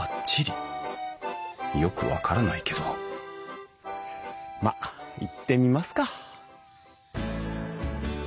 よく分からないけどまあ行ってみますか。